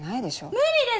無理です！